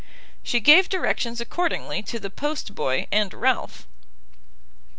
She gave directions accordingly to the post boy and Ralph.